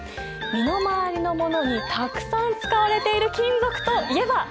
身の回りのものにたくさん使われている金属といえば？